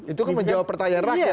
itu kan menjawab pertanyaan rakyat